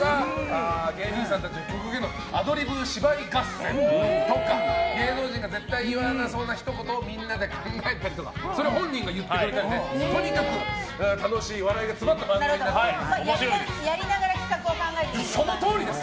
芸人さんたちがアドリブ芝居合戦とか芸能人が絶対言わなそうなひと言をみんなで考えたりとか本人が言ってくれたりとにかく楽しい笑いが詰まった番組になっております。